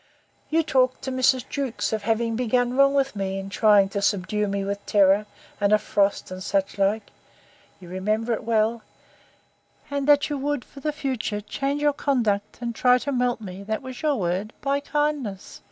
You talked to Mrs. Jewkes of having begun wrong with me, in trying to subdue me with terror, and of frost, and such like—You remember it well:—And that you would, for the future, change your conduct, and try to melt me, that was your word, by kindness.